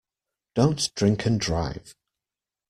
Don’t drink and drive.